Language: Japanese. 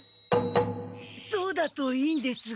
そうだといいんですが。